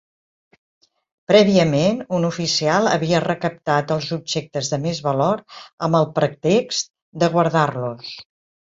Prèviament, un oficial havia recaptat els objectes de més valor amb el pretext de guardar-los.